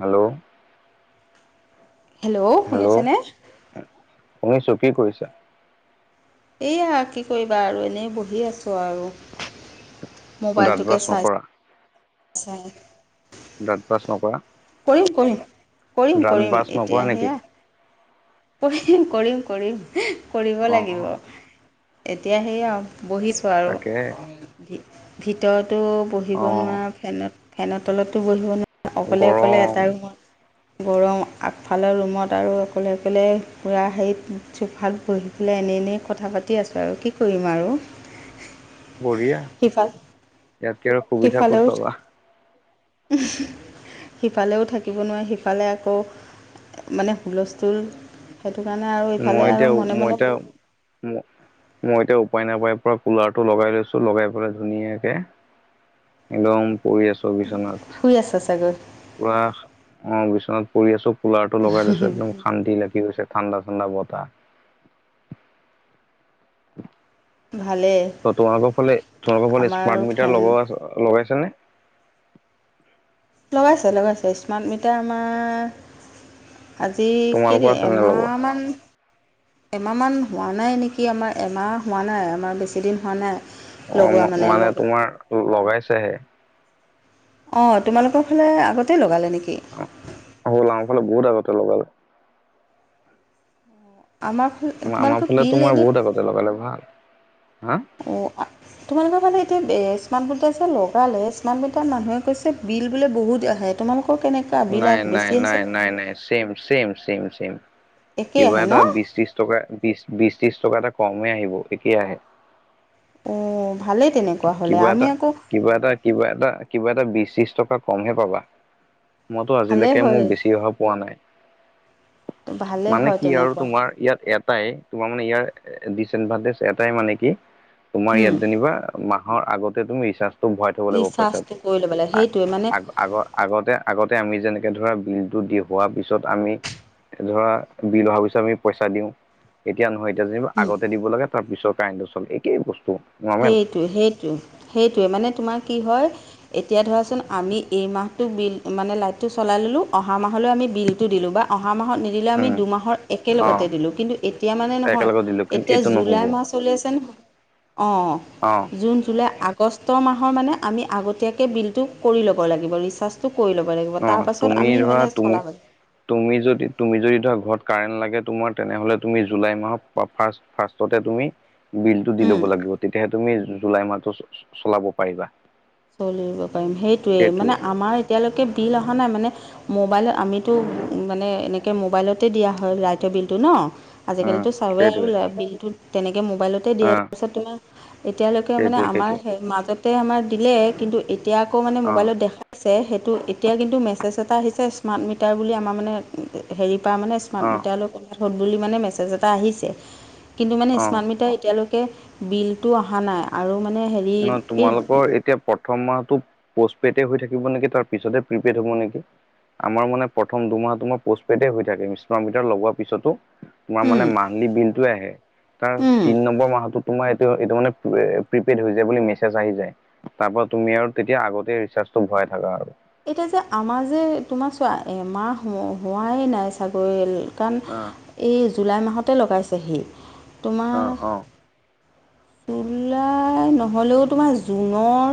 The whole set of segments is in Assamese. হেল্ল', হেল্ল' শুনিছেনে? শুনিছো কি কৰিছা? এইয়া কি কৰিবা আৰু এনেই বহি আছোঁ আৰু। দাঁত মোবাইলটোকে ব্ৰাছ নকৰা চাই-চাই। দাদ ব্ৰাছ নকৰা? দাঁত কৰিম-কৰিম-কৰিম-কৰিম ব্ৰাছ নকৰা এতিয়া নেকি? সেয়া, কৰিম-কৰিম-কৰিম কৰিব লাগিব। অ' এতিয়া সেই আৰু বহিছোঁ। তাকে আৰু ভিতৰতো বহিব অ' নোৱাৰা ফেনত। ফেনৰ তলতো বহিব নোৱাৰাৰে অকলে-অকলে গৰম এটা ৰুমত। গৰম আগফালে ৰুমত আৰু অকলে আহি পেলাই পুৰা হেৰিত চোফাট বহি পেলাই এনেই-এনেই কথা পাতি আছোঁ। আৰু কি কৰিম আৰু? বঢ়িয়া সিফাল ইয়াতকে আৰু সুবিধা ক'ত সিফালেও পাবা। [unintelligible] সিফালেও থাকিব নোৱাৰে সিফালে আকৌ মানে হুলস্থুল। সেইটো কাৰণে আৰু মই ইফালে এতিয়া আৰু মই মনে-মনে এতিয়া মই এতিয়া উপায় নাপায় পৰা কুলাৰটো লগাই লৈছো লগাই পেলাই ধুনীয়াকে, একদম পৰি আছো বিচনাত শুই আছে চাগৈ পোৱা অহ, বিচনাত পৰি আছো কুলাৰ টো লগাই লৈছো একদম শান্তি লাগি গৈ ঠাণ্ডা-ঠাণ্ডা বাতাহ। ভালে। ত তোমালোকৰ ফালে তোমালোকৰ ফালে স্মাৰ্ট মিটাৰ ফেন লগ লগাইছ নে? লগাইছে-লগাইছে স্মাৰ্ট মিটাৰ আমাৰ, আজি তোমালোকৰ কেইদিন আছে নে লগোৱা? এমাহমান। এমাহমান হোৱা নাই নেকি? আমাৰ এমাহ হোৱা নাই আমাৰ বেছিদিন হোৱা নাই। অ, লগোৱা মানে লগ তোমাৰ লগাইছেহে। অ, তোমালোকৰ ফালে আগতে লগালে নেকি? অ, আমাৰ ফালে বহুত আগতে লগালে। আমাৰ ফালে আমাৰ তোমালোকৰ ফালে বিল তোমাৰ এনে বহুত আগতে লগালে ভাল। হা? অ', তোমালোকৰ ফালে এতিয়া স্মাৰ্টমিটাৰ যে লগালে স্মাৰ্টমিটাৰ মানুহে কৈছে বিল বোলে বহুত আহে। তোমালোকৰ কেনেকে? নাই-নাই-নাই-নাই-নাই, চেম-চেম-চেম-চেম, একেই কিবা আহে এটা ন বিচ ত্ৰিশ টকা বিশ, বিশ ত্ৰিশ টকা এটা কমেই আহিব ঠিকে আহে। অ, ভালেই তেনেকুৱা হ'লে কিবা এটা আমি আকৌ। কিবা এটা কিবা এটা কিবা এটা বিশ ত্ৰিশ টকা কমহে পাবা। মইতো ভালেই আজিলৈকে হয় মোৰ বেছি অহা পোৱা নাই। ভালেই মানে হয় কি আৰু তেনেকুৱা তোমাৰ ইয়াত এটাই। তোমাৰ মানে ইয়াৰ ডচএডভানটেজ এটাই মানে কি তোমাৰ উম, ইয়াত যেনিবা মাহৰ আগতে তুমি ৰিচাৰ্জটো ভৰাই থব লাগিব ৰিচাৰ্জটো পইচাটো কৰি ল'ব লাগে সেইটোৱে মানে আগ-আগ আগতে-আগতে আমি যেনেকে ধৰা বিলতটো দি হোৱাৰ পিছত আমি ধৰা বিল অহাৰ পিছত আমি পইচা দিওঁ। এতিয়া নহয়, এতিয়া যেনিবা আগতে দিব লাগে তাৰ পিছত কাৰেণ্টটো চলে একেই বস্তু। নৰ্মেল সেইটোৱে-সেইটোৱে-সেইটোৱে মানে তোমাৰ কি হয় এতিয়া ধৰাচোন আমি এই মাহটো বিল মানে লাইটটো চলাই ল'লোঁ অহা মাহলৈ আমি বিলটো দিলোঁ। বা অহা মাহত নিদিলে আমি উম দুমাহৰ অ একেলগতে দিলোঁ। কিন্তু এতিয়া মানে নহয় একেলগত দিলো কিন্তু এতিয়া এইটো নহ'ব জুলাই মাহ চলি আছে নহয়, অ', জুন জুলাই আগ আগষ্টৰ মাহৰ মানে আমি আগতীয়াকৈ বিলটো কৰি ল'ব লাগিব, ৰিচাৰ্জ কৰি ল'ব লাগিব অ তাৰপাছত তুমি আমি ধৰা মানে তুমি চলা হৈ তুমি যদি তুমি যদি ধৰা ঘৰত কাৰেণ্ট লাগে তোমাৰ তেনেহলে তুমি জুলাই মাহত ফাষ্ট ফাৰ্ষ্টতে তুমি বিলটো দি উম ল'ব লাগিব, তেতিয়াহে তুমি জুলাই মাহটো চলাব পাৰিবা। চলিব পাৰিম সেইটোৱে, মানে আমাৰ এতিয়ালৈকে বিল অহা নাই মানে মোবাইলত আমিতো মানে এনেকে মোবাইলতে দিয়া হয় এতিয়া বিলটো ন। উম আজিকালিতো চাই আৰু সেইটোৱে বিলটোত তেনেকে মোবাইলত দিয়ে অ' তাৰপিছত তোমাৰ এতিয়ালৈকে মানে সেইটোৱে আমাৰ সেইটোৱে সেৰি মাজতে আমাৰ দিলে, কিন্তু এতিয়া আকৌ মানে অ' মোবাইলত দেখাইছে সেইটো এতিয়া কিন্তু মেছেজ এটা আহিছে স্মাৰ্ট মিটাৰ বুলি আমাৰ মানে হেৰি পৰা মানে স্মাৰ্ট অ' মিটাৰলৈ কনভাৰ্ট হল' বুলি মানে মেছেজ এটা আহিছে। কিন্তু মানে অ' স্মাৰ্ট মিটাৰ এতিয়ালৈকে বিলতটো অহা নাই আৰু মানে হে ন তোমালোকৰ এতিয়া প্ৰথম মাহটো পষ্ট পেইডে হৈ থাকিব নেকি তাৰ পিছতে প্ৰিপেইড হ'ব নেকি? আমাৰ মানে প্ৰথম দুমাহটো পষ্ট পেইডে হৈ থাকে ইস্মাটমিটাৰ লগোৱাৰ পিছতো তোমাৰ উম মানে মান্থলি বিলটোয়ে আহে, তাৰ উম, তিন নম্বৰ মাহটোত তোমাৰ এইটো-এইটো মানে এ প্ৰীপেইড হৈ যায়। যে বুলি মেছেজ আহি যায়। তাৰ পৰা তুমি আৰু তেতিয়া আগতে ৰিচাৰ্জটো ভৰাই থাকা আৰু। এতিয়া যে আমাৰ যে তোমাৰ চোৱা মাহ হোৱাই নাই ছাগে কাৰণ অ এই জুলাই মাহতে লগাইছেহি। তোমাৰ অ অ [inaudible] জুলাই নহ'লেও তোমাৰ জুনৰ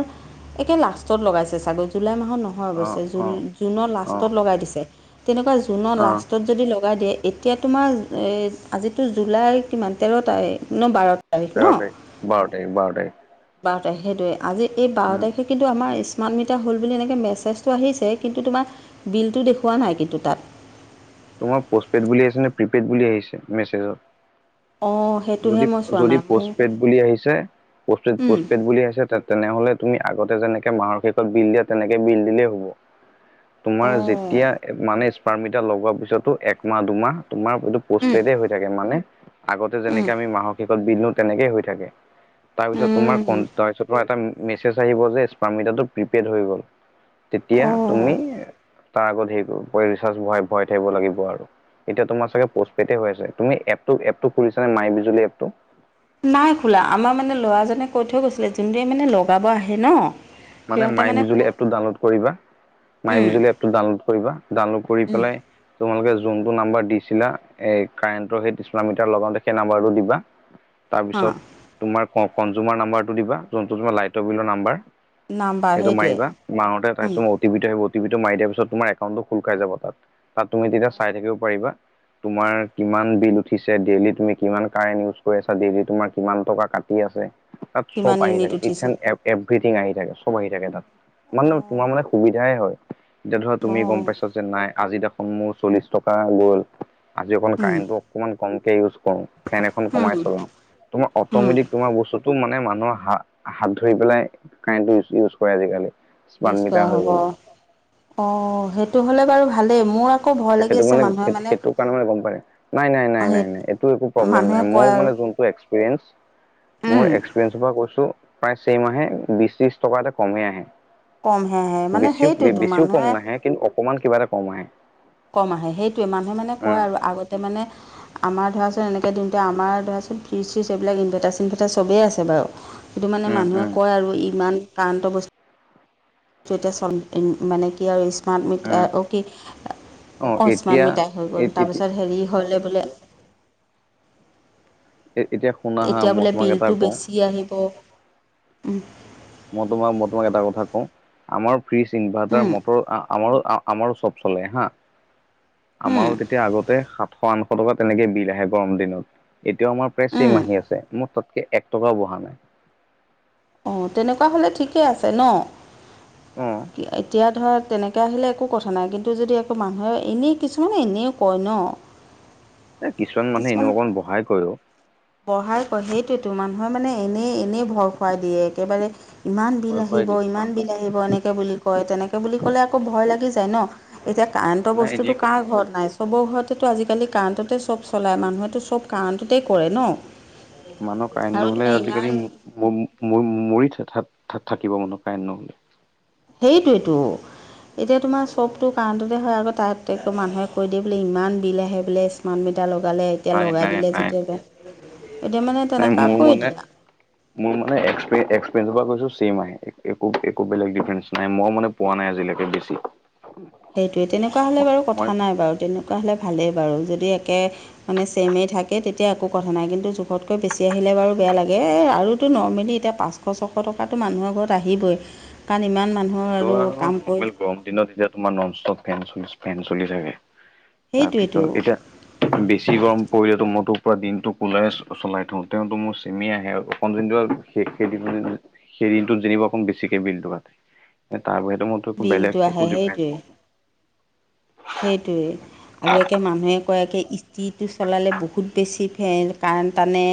একে লাষ্টত লগাইছে চাগে, জুলাই মাহত নহয় হৈ অ গৈছে অ জুনৰ অ লাষ্টত লগাই দিছে। তেনেকে জুনৰ অ লাষ্টত যদি লগাই দিয়ে এতিয়া তোমাৰ আজিতো জুলাই কিমান তেৰ তাৰিখ নে বাৰ তেৰ তাৰিখ, বাৰ তাৰিখ বাৰ তাৰিখ। বাৰ তাৰিখ সেইটোৱে, আজি এই বাৰ উম তাৰিখে কিন্তু আমাৰ স্মাৰ্ট মিটাৰ হ'ল বুলি এনেকে মেছেজটো আহিছে, কিন্তু তোমাৰ বিলটো দেখুওৱা নাই কিন্তু তাত। তোমাৰ পষ্ট পেইড বুলি আহিছে নে প্ৰিপেইড বুলি আহিছে মেছেজত? অ'। যদি-যদি পষ্টপেড বুলি আহিছে পড উম পষ্টপেড বুলি আছে তাত তেনেহলে তুমি আগতে যেনেকে মাহৰ শেষত বিল দিয়া তেনেকে বিল দিলেই হ'ব। তোমাৰ অঁ যেতিয়া মানে স্মাৰ্টৰ্মিটাৰ লগোৱাৰ পিছতো একমাহ দুমাহ তোমাৰ এইটো পোষ্ট উম পেডে হৈ থাকে মানে আগতে যেনেকে উম আমি মাহৰ শেষত দিওঁ, তেনেকে হৈ থাকে। তাৰপিছত তোমাৰ কণ উম তাৰপিছত এটা মেচেজ আহিব যে স্মাৰ্ট মিটাৰটো প্ৰিপেইড হৈ গ'ল। তেতিয়া তুমি অঁ তাৰ আগত হেৰি কৰিব ৰিচাচ ভ-ভৰাই থাকিব লাগিব আৰু। এতিয়া তোমাৰ চাগে পষ্টপেইডে হৈ আছে, তুমি এটো খুলিছ নে মাই বিজুলী এপটো? নাই খোলা। আমাৰ মানে ল'ৰাজনে কৈ থৈ গৈছিলে যোনটোৱে মানে লগাব আহে ন? মানে সিহঁতে মাই বিজুলী কৈ এপ টো ডাউনলোড কৰিবা। মাই উম বিজুলি এপটো ডাউনলোড কৰিবা, ডাউনলোড কৰি উম পেলাই তোমালোকে যোনতটো নাম্বাৰ দিছিলা এ কাৰেণ্টৰ সেই স্মাৰ্টমিটাৰ লগাওঁতে সেই নাম্বাৰটো দিবা। হা তাৰপিছত তোমাৰ কনজুমাৰ নাম্বাৰটো দিবা যোনটো তোমাৰ লাইটৰ বিলৰ নাম্বাৰ। নাম্বাৰ সেইটো সেইটোৱে মাৰিবা তোমাৰমতে উম তাইছো ম অটিপি টো আহিব অটিপিটো মাৰি দিয়াৰ পিছত তোমাৰ একাউণ্টটো খোল খাই যাব তাত, তাত তেতিয়া তুমি চাই থাকিব পাৰিবা। তোমাৰ কিমান বিল উঠিছে ডেইলি তুমি কিমান কাৰেণ্ট ইউজ কৰি আছা ডেইলি তোমাৰ কিমান টকা কাটি আছে। তাত চব কিমান আহি ইউনিট থাকে ইটছ উঠিছে এন এ এভৰিথিং আহি থাকে চব আহি থাকে তাত, মানে তোমাৰ অঁ মানে সুবিধাই হয়। এতিয়া ধৰা তুমি গম অঁ পাইছা যে নাই আজি দেখোন মোৰ চল্লিশ টকা গ'ল আজি অকন উম কাৰেণ্টটো অকমান কমকে ইউজ কৰোঁ, ফেন এখন কমাই উম চলাও তোমাৰ উম অটমেটিক তোমাৰ বস্তু টো মানে মানুহৰ হা হাত ধৰি পেলাই কাৰেণ্টটো ই ইউজ কৰে আজিকালি। স্মাৰ্টমিটাৰ হৈ গ'ল। অঁ সেইটো হ'লে বাৰু ভালেই মোৰ আকৌ ভয় লাগি সেইটো আছে মানে মানুহে সেই সেইটো কাৰণে মানে গম পায়। নাই নাই নাই সেই নাই নাই এইটো একো প্ৰব্লেম নাই মানুহে কয় মোৰ আৰু মানে যোনটো এক্সপ্ৰীয়েন্স মোৰ উম এক্স ডিফেন্স পৰা কৈছোঁ প্ৰায় চেইমাহে বিশ ত্ৰিশ টকা এটা কমেই আহে। কমহে আহে মানে বেছিও সেইটোৱেতো বেছিও কম মানুহে নাহে কিন্তু অকমান কিবা এটা কম আহে। কম আহে সেইটোৱে মানুহে মানে কয় উম আৰু আগতে মানে আমাৰ ধৰাচোন এনে একেদিনতে আমাৰ ধৰাচোন ফ্ৰীজ চ্ৰীজ এইবিলাক ইনভেটাৰ চিনভেটাৰ চবেই আছে বাৰু। সেইটো মানে উম মানুহে উম কয় আৰু ইমান কাৰান্ত বস্তু [unintelligible] এতিয়া মানে কি আৰু স্মাৰ্ট উম মিটাৰ অ কি অ এতিয়া স্মাৰ্ট মিটাই হৈ গ'ল তাৰপিছত হেৰি হ'লে বোলে। এতিয়া শুনা হা এতিয়া মই বোলে তোমাক এটা বিলটো কওঁ বেছি আহিব। মই তোমাক মই তোমাক এটা কথা কওঁ আমাৰ ফ্ৰিজ ইনভাৰ্টাৰ উম, মটৰ আমাৰো আমাৰো চব চলে হা উম, আমাৰো তেতিয়া আগতে সাত ছ আনশ টকা তেনেকে বিল আহে গৰম দিনত এতিয়াও আমাৰ প্ৰায় উম। চেম আহি আছে মোক তাতকে এক টকাও বহা নাই। অঁ তেনেকুৱা হ'লে ঠিকে আছে ন অ এতিয়া ধৰা তেনে একে আহিলে একো কথা নাই কিন্তু যদি একো মানুহে এনেই কিছুমানে এনেও কয় ন। এ কিছুমান মানুহে এনেও অকণ বহাই কয় ঔ। বঢ়াই কয় সেইটোৱেতো, মানুহে মানে এনেই এনেই ভয় খুৱাই দিয়ে একেবাৰে ইমান বিল ভয় খুৱাই আহিব দিয়ে ইমান বিল আহিব এনেকে বুলি কয় তেনেকে বুলি ক'লে আকৌ ভয় লাগি যায় ন। এতিয়া কাৰেণ্টৰ নাই এনেই বস্তুতটো কয় কাৰ ঘৰত নাই। চবৰ ঘৰতেতো আজিকালি কাৰেণ্টতে চব চলায় মানুহেতো চব কাৰেণ্টতেই কৰে ন। মানুহ কাৰেং আৰু নহ'লে তোমাৰ আজিকালি ইমান মম মম মৰি থঠ থাকিব মানুহ কাৰেং নহ'লে। সেইটোৱেটো এতিয়া তোমাৰ চবটো কাৰণ্টতে হয় আকৌ তাত একো মানুহে কৈ দিয়ে বোলে ইমান বিল আহে বোলে স্মাৰ্ট মি এতিয়া লগালে এতিয়া নাই লগাই নাই দিলে নাই যেতিয়া নাই এতিয়া মানে নাই তেনেকা মোৰ কৰি মানে দিয়া। মোৰ মানে একয়েঞ্চৰ সোপা কৈছোঁ চেম আহে একো একো বেলেগ ডিফাৰেন্ঞ্চ নাই মই মানে পোৱা নাই আজিলৈকে বেছি। সেইটোৱে তেনেকুৱা হ'লে মই বাৰু মই কথা নাই বাৰু তেনেকুৱা হ'লে ভালেই বাৰু যদি একে মানে চেমে থাকে তেতিয়া একো কথা নাই কিন্তু জোখতকৈ বেছি আহিলে বাৰু বেয়া লাগে এ আৰুতো নৰ্মেলি এতিয়া পা পাঁচশ ছশ টকাটো মানুহৰ ঘৰত আহিবই কাৰণ ইমান মানুহৰ সেইটো আৰু কাম কৰি নৰ্মেল গৰম দিনত এতিয়া তোমাৰ নন ষ্টপ ফেন চ ফেন চলি থাকে সেইটোৱেতো তাৰপিছত এতিয়া বেছি গৰম পৰিলে তো মই তোৰ পুৰা দিনটো কুলাৰে চলাই থও তেওঁতো মোৰ চেমে আহে আৰু অকণ যোনটো সেই সেই সেই দিনটোত যেনিবা অকণ বেছিকে বিলটো কাটে। এ তাৰ বাহিৰেটো মইতো একো বিলটো বেলেগ আহে একো ডিফাৰেন্ঞ্চ পোৱা নাই। সেইটোৱেই আৰু একে মানুহে কয়ে ইষ্টিটো চলালে বহুত বেছি ফেন কাৰেণ্ট টানে।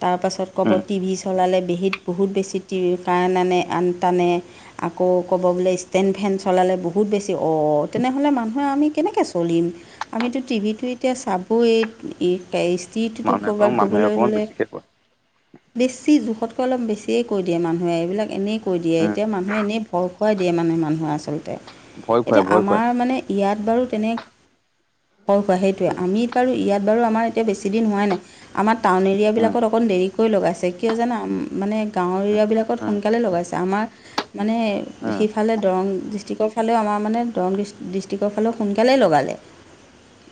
তাৰপাছত ক'ব উম, টিভি চলালে বেহীত বহুত বেছি টিভি কাৰেণ্ট আনে আন টানে। আকৌ ক'ব বোলে ষ্টেণ্ড ফেন চলালে বহুত বেছি অ তেনেহ'লে মানুহ নহয় আমি কেনেকৈ চলিম, আমিতো টিভিটো এতিয়া চাবই। ই পাই স্ত্ৰীটোতটো মানুহে কওঁ ক'ৰবাত মানুহে ক'বলৈ অকমান হ'লে বেছিকে কয়। বেছি জোখতকৈ অলপ বেছিয়ে কৈ দিয়ে মানুহে এইবিলাক এনেই কৈ দিয়ে উম, এতিয়া মানুহে এনে ভয় খুৱাই দিয়ে মানে মানুহে আচলতে ভয় খুৱাই এতিয়া ভয় খুৱাই। আমাৰ মানে ইয়াত বাৰু তেনে ভয় খোৱাই সেইটোৱে আমি বাৰু ইয়াত বাৰু আমাৰ এতিয়া বেছি দিন হোৱাই নাই। আমাৰ টাউন উম, এৰিয়াবিলাকত অকণ দেৰিকৈ লগাইছে কিয় জানা মানে গাঁৱৰ উম, এৰিয়াবিলাকত উম, সোনকালে লগাইছে আমাৰ মানে উম, সেইফালে দৰং ডিষ্ট্ৰিক্টৰ ফালেও আমাৰ মানে দৰং ডি ডিষ্ট- পটিকৰ ফালেও সোনকালেই লগালে,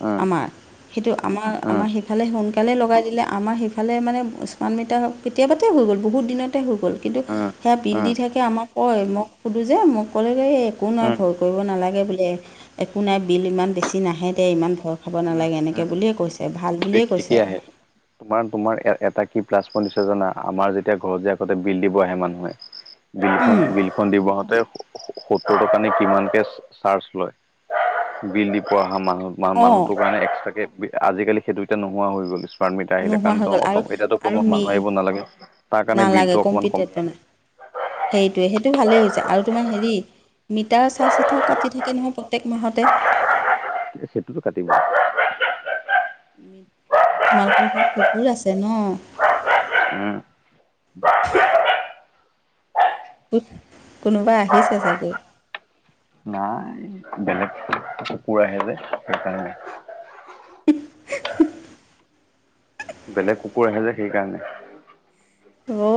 উম, উম, আমাৰ। সেইটো আমাৰ উম, আমাৰ সিফালে সোনকালে লগাই দিলে আমাৰ সিফালে মানে স্মাৰ্ট মিটাৰ হক কেতিয়াবাতে হৈ গ'ল বহুত দিনতে হৈ গ'ল কিন্তু উম, সেয়া বিল দি থাকে আমাক কয় মোক সোধোঁ যে মোক ক'লেগৈ এই একো নহয় উম, উম, ভয় কৰিব নালাগে বোলে। একো নাই বিল ইমান বেছি নাহে দে ইমান ভয় খাব নালাগে এনেকৈ বুলিয়ে কৈছ- এ ভাল বুলিয়ে কৈছে একেই আহে। তোমাৰ তোমাৰ এটা কি প্লাছ পইণ্ট আছে জানা আমাৰ যেতিয়া ঘৰত যে আগতে বিল দিব আহে মানুহে। বিলখন উম, বিলখন দিব আহোতে সত্তৰ টকা নে কিমানকে চাৰ্জ লয় বিল দিব অহা মান- মা অঁ মানুহটোৰ কাৰণে এক্সট্ৰাকে, আজিকালি সেইটো এতিয়া নোহোৱা হৈ গল। কাৰণ মিটাৰ আহিলে নোহোৱা কাৰণ হৈ গ'ল অত আৰু এতিয়াতো আৰু কোনো মি মানুহ আহিব নালাগে তাৰ কাৰণে নালাগে বিলটো অকণমান কম্পিউটাৰত কমি বনায় আহে। সেইটোৱে সেইটো ভালেই হৈছে আৰু তোমাৰ হেৰি মিটাৰ চাৰ্জ এটাও কাটি থাকে নহয় প্ৰত্যেক মাহতে। সেইটোতো কাটিব। তোমালোকৰ ঘৰত কুকুৰ আছে ন? উম উত, কোনোবা আহিছে চাগে। নাই। বেলেগ কুকুৰ আহে যে সেইকাৰণে। [unintelligible] বেলেগ কুকুৰ আহে যে সেইকাৰণে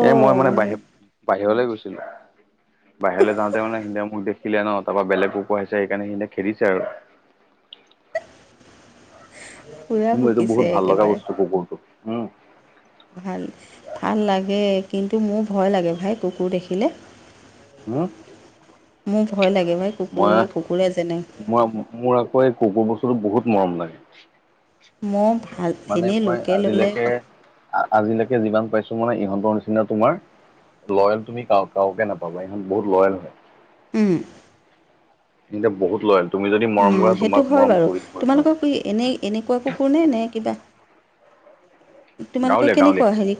এ মই মানে বাহেপ বাহিৰলৈ গৈছিলো। বাহিৰলৈ যাওঁতে মানে সিহঁতে মোক দেখিলে ন তাৰ পৰা বেলেগ কুকুৰ আহিছে সেইকাৰণে সিহতে খেদিছে আৰু। পূৰা মোৰ এইটো ভুকিছে বহুত ভাল লগা একেবাৰে বস্তু কুকুৰটো উ। ভাল ভাল লাগে কিন্তু মোৰ ভয় লাগে, ভাই কুকুৰ দেখিলে। হম। মোৰ ভয় লাগে ভাই মই কুকুৰে কুকুৰে যেনে মই মোৰ আকৌ এই কুকুৰ বস্তুটো বহুত মৰম লাগে। ম ভাল মানে এনেই মই লোকে ল'লে আজিলৈকে আজিলৈকে যিমান পাইছো মানে ইহঁতৰ নিচিনা তোমাৰ লয়েল তুমি কায়োকে নাপাবা ইখন বহুত লয়েল হয়। উহ। ইনতে বহুত লয়েল। তুমি যদি মৰম উম কৰা সেইটো তোমাক হয় মৰম বাৰু। কৰিবই সিহঁতে তোমালোকক এনেই এনেকুৱা কুকুৰনে নে কিবা তোমালোকৰ গাঁৱলীয়া কেনেকুৱা গাঁৱলীয়া হেৰি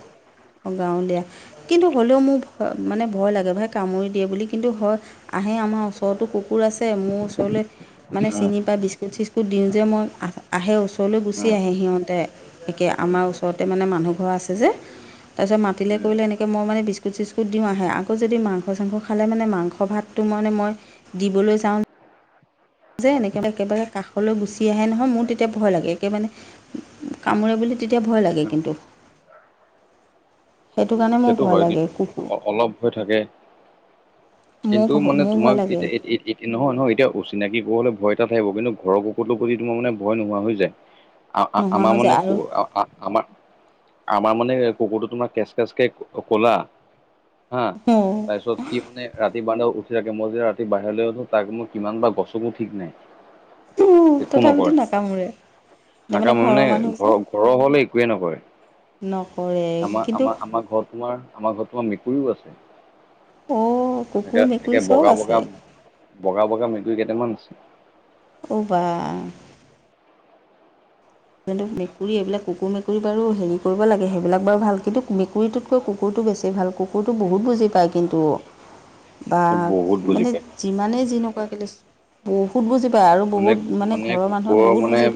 গাঁৱলীয়া কিন্তু হ'লেও মোৰ মানে ভয় লাগে ভাই কামুৰি দিয়ে বুলি কিন্তু হয় আহে আমাৰ ওচৰতো কুকুৰ আছে মোৰ ওচৰলে মানে উম চিনি পাই বিস্কুট চিস্কুট দিওঁ যে মই আহে ওচৰলৈ গুচি উম আহে সিহঁতে। একে উম আমাৰ ওচৰতে মানে মানুহ ঘৰ আছে যে তাৰপিছত মাতিলে কৰিলে এনেকৈ মই মানে বিস্কুট চিস্কুত দিওঁ আহে আকৌ যদি মাংস চাংস খালে মানে মাংস ভাত টো মানে মই দিবলৈ যাওঁ। যে এনেকে একেবাৰে কাষলৈ গুচি আহে নহয় মোৰ তেতিয়া ভয় লাগে একেবাৰে কামোৰে বুলি তেতিয়া ভয় লাগে উম কিন্তু। [inaudible] কাৰণে মোৰ সেইটো ভয় হয় লাগে কিন্তু কুকুৰ অলপ হৈ থাকে। মোৰ কিন্তু মানে মোৰ তোমাৰ ভয় লাগে এত এত এত এত নহয় নহয় এতিয়া অচিনাকি বোৰলে ভয় এটা থাকিব কিন্তু ঘৰৰ কুকুৰতো প্ৰতি তোমাৰ মানে ভয় নোহোৱা হৈ যায়। আ আ নোহোৱা আমাৰ হৈ যায় মানে আৰু কো আ আ আমাৰ, আমাৰ মানে কুকুৰটো তোমাৰ কেচ তেজকে ক কলা, হা অ তাৰপিছত সি মানে ৰা তি বাৰণ্ডাত উঠি থাকে মই যে ৰাতি বাহিৰলৈ উঠো তাক মই কিমান বাৰ গছকো ঠিক নাই। উম তথাপিতো নাকামোৰে। তাৰমানে নাকামুৰে ঘৰৰ মানে মানুহ যে ঘৰৰ - ঘৰৰ হলে একোৱে নকৰে, নকৰে আমাৰ কিন্তু আমাৰ আমাৰ ঘৰত তোমাৰ আমাৰ ঘৰত তোমাৰ মেকুৰীও আছে। অ একে কুকুৰ - একে মেকুৰী চব বগা - আছে বগা বগা - বগা মেকুৰিকেইটামান আছে। অ বা। কিন্তু মেকুৰী এইবিলাক কুকুৰ, মেকুৰী বাৰু হেৰি কৰিব লাগে সেইবিলাক বাৰু ভাল কিন্তু মেকুৰীটোত কৈ কুকুৰটো বেছি ভাল কুকুৰটো বহুত বুজি পায় কিন্তু। [inaudible] বা বহুত বুজি মানে পায় যিমানেই যেনেকুৱা কে বহুত বুজি পায় আৰু বহুত মানে ঘৰৰ মানুহে বহুত বুজি পা